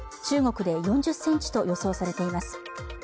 中国で４０センチと予想されています